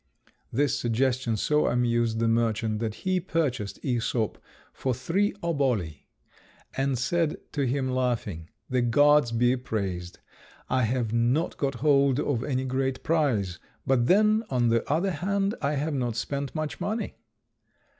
This suggestion so amused the merchant, that he purchased Æsop for three oboli, and said to him, laughing, "The gods be praised! I have not got hold of any great prize; but then on the other hand I have not spent much money."